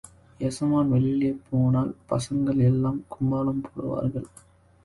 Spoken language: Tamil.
எசமான் வெளிலே போனால் பசங்கள் எல்லாம் கும்மாளம் போடுவார்கள்.